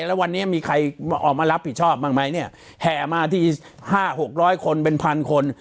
แล้ววันนี้มีใครออกมารับผิดชอบบ้างไหมเนี่ยแห่มาที่๕๖๐๐คนเป็นพันคน